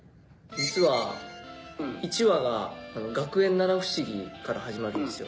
実は１話が「学園七不思議」から始まるんですよ。